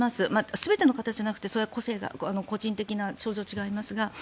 全ての方じゃなくてそれは個人的な症状は違いますが。